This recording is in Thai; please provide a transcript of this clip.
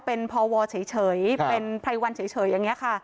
เป็นพวเฉยเป็นไพรวันเฉยอย่างนี้ค่ะ